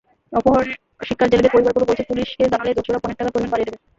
অপহরণের শিকার জেলেদের পরিবারগুলো বলছে, পুলিশকে জানালে দস্যুরা পণের টাকার পরিমাণ বাড়িয়ে দেবে।